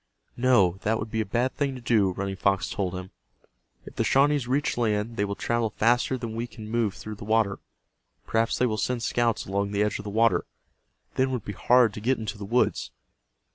"No, that would be a bad thing to do," Running Fox told him. "If the Shawnees reach land they will travel faster than we can move through the water. Perhaps they will send scouts along the edge of the water. Then it would be hard to get into the woods.